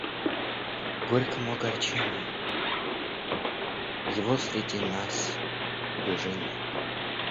К горькому огорчению, его среди нас уже нет.